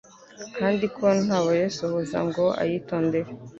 kandi ko ntawayasohoza ngo ayitondere.